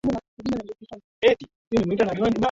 ha ya sisi kuwa wengi katika mbuge la wakilishaji